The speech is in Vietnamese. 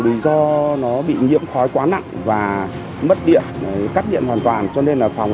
lý do nó bị nhiễm khói quá nặng và mất điện cắt điện hoàn toàn cho nên là phòng